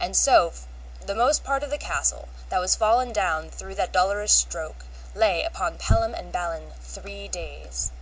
And so the most part of the castle, that was fallen down through that dolorous stroke, lay upon Pellam and Balin three days.